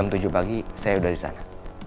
besok jam tujuh pagi saya udah disana